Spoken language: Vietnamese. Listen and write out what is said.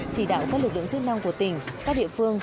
chỉ đạo các lực lượng chức năng của tỉnh các địa phương